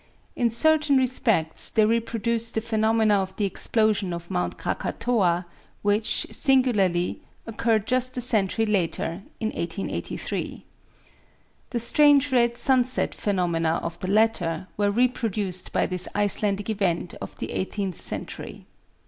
In certain respects they reproduced the phenomena of the explosion of Mount Krakatoa, which, singularly, occurred just a century later, in 1883. The strange red sunset phenomena of the latter were reproduced by this Icelandic event of the eighteenth century.